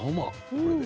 これで。